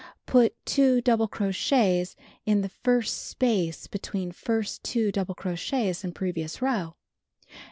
Put 2 double crochets in the first space between first 2 double crochets in previous row.